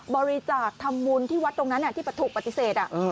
บริจาคทำบุญที่วัดตรงนั้นที่ถูกปฏิเสธ